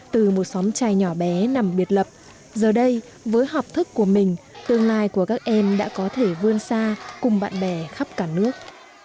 từ một xóm trai nhỏ bé nằm biệt lập giờ đây với học thức của mình tương lai của các em đã có thể vươn xa cùng bạn bè khắp cả nước